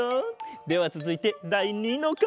ではつづいてだい２のかげだ。